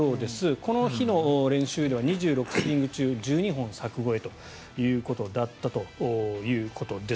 この日の練習では２６スイング中１２本柵越えだったということです。